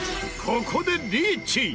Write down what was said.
ここでリーチ！